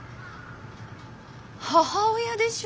母親でしょ？